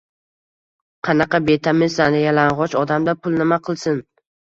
Qanaqa betamizsan, yalang’och odamda pul nima qilsin?